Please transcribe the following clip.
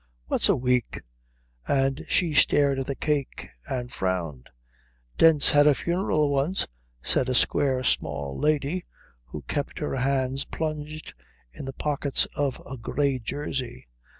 "What's a week?" And she stared at the cake and frowned. "Dent's had a funeral once," said a square small lady who kept her hands plunged in the pockets of a grey jersey.